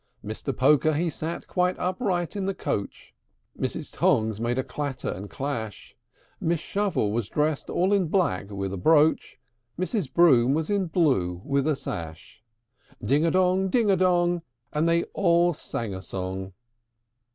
Mr. Poker he sate quite upright in the coach; Mr. Tongs made a clatter and clash; Miss Shovel was dressed all in black (with a brooch); Mrs. Broom was in blue (with a sash). Ding a dong, ding a dong! And they all sang a song.